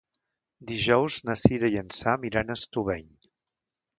Dijous na Cira i en Sam iran a Estubeny.